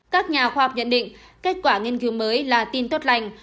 các nhà khoa học nhận định kết quả nghiên cứu mới là tin tốt lành